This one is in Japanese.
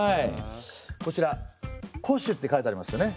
こちら「戸主」って書いてありますよね？